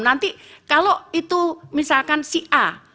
nanti kalau itu misalkan si a